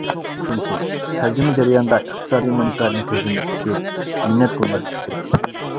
ئۈچىنچى: تەرجىمە جەريانىدا ئىقتىسادىي مەنپەئەتنى كۆزلىمەسلىكى، مىننەت قىلماسلىقى كېرەك.